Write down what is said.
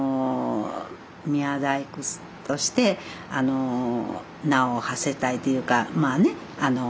宮大工として名をはせたいというかまあね